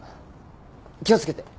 気を付けて。